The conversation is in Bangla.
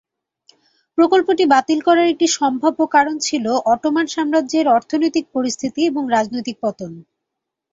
প্রকল্পটি বাতিল করার একটি সম্ভাব্য কারণ ছিল অটোমান সাম্রাজ্যের অর্থনৈতিক পরিস্থিতি এবং রাজনৈতিক পতন।